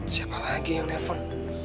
siapa lagi yang telepon